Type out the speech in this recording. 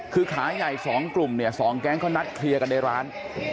คือขาใหญ่๒กลุ่มเนี่ย๒แก๊งเขานัดเคลียร์กันในร้าน